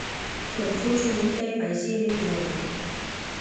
ترڅو چې موږ ته یې پیسې نه وي راکړې.